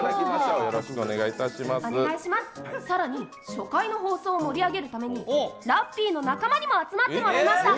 更に初回の放送を盛り上げるためにラッピーの仲間にも集まっていただきました。